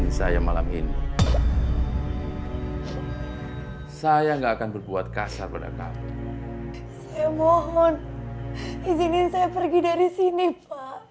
izinin saya pergi dari sini pak